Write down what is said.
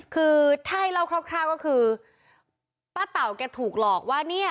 คือถ้าให้เล่าคร่าวก็คือป้าเต่าแกถูกหลอกว่าเนี่ย